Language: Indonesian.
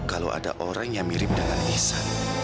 kalau ada orang yang mirip dengan desa